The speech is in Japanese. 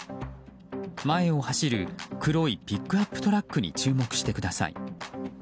前を走る黒いピックアップトラックに注目してください。